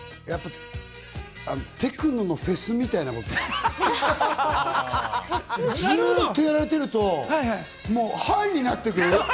テクノのフェスみたいな、ずっとやられているとハイになってくる。